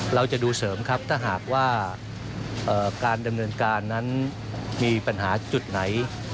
เราจะดูเสริมครับถ้าหากว่าการดำเนินการนั้นมีปัญหาจุดไหน